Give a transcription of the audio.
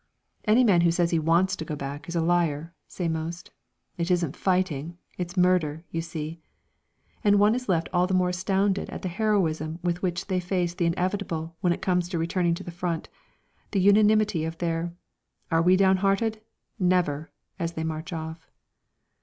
"Any man who says he wants to go back is a liar," say most. "It isn't fighting; it's murder, you see." And one is left all the more astounded at the heroism with which they face the inevitable when it comes to returning to the front, the unanimity of their: "Are we down hearted? Never!" as they march off.